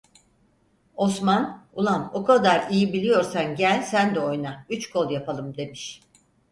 Osman: "Ulan o kadar iyi biliyorsan gel sen de oyna, üç kol yapalım!" demiş.